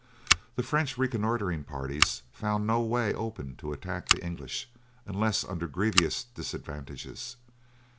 The French reconnoitering parties found no way open to attack the English unless under grievous disadvantages.